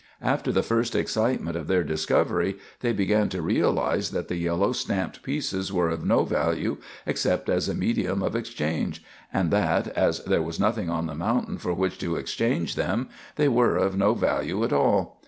After the first excitement of their discovery they began to realize that the yellow stamped pieces were of no value except as a medium of exchange, and that, as there was nothing on the mountain for which to exchange them, they were of no value at all.